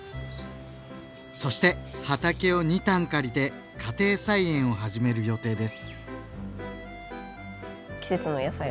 そして畑を２反借りて家庭菜園を始める予定です。